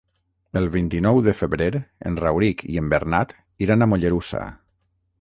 El vint-i-nou de febrer en Rauric i en Bernat iran a Mollerussa.